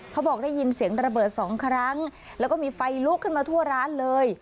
เขาบอกได้ยินเสียงระเบิดสองครั้งแล้วก็มีไฟลุกขึ้นมาทั่วร้านเลย